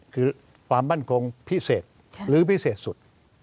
คือความมั่นคงพิเศษหรือพิเศษสุด